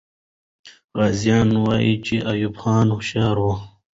غازیان وویل چې ایوب خان هوښیار وو.